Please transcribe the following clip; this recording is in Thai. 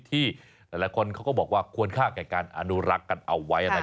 ที่หลายคนเขาก็บอกว่าควรค่าแก่การอนุรักษ์กันเอาไว้